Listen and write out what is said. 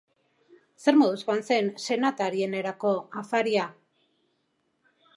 Zer moduz joan zen senatariareneko afaria?